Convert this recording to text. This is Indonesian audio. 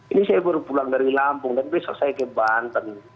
ini saya baru pulang dari lampung dan besok saya ke banten